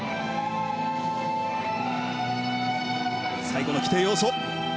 最後の規定要素。